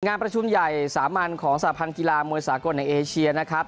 งานประชุมใหญ่สามัญของสาพันธ์กีฬามวยสากลในเอเชียนะครับ